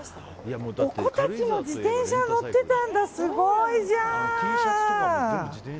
子供たちも自転車乗ってたんだすごいじゃん！